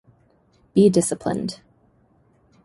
Be disciplined.